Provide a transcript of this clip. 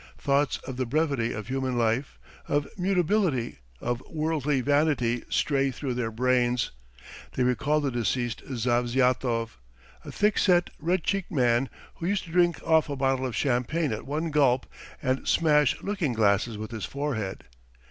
Thoughts of the brevity of human life, of mutability, of worldly vanity stray through their brains. ... They recall the deceased Zavzyatov, a thick set, red cheeked man who used to drink off a bottle of champagne at one gulp and smash looking glasses with his forehead.